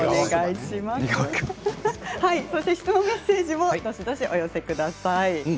質問、メッセージもどしどしお寄せください。